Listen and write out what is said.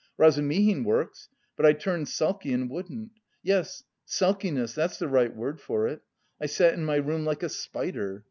Razumihin works! But I turned sulky and wouldn't. (Yes, sulkiness, that's the right word for it!) I sat in my room like a spider.